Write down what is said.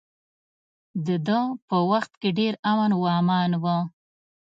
د ده په وخت کې ډیر امن و امان و.